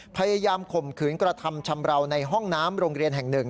พยายามคมขืนกระทำชำราวในห้องน้ำโรงเรียนแห่ง๑